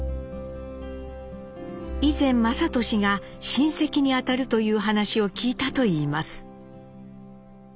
以前雅俊が親戚にあたるという話を聞いたといいます。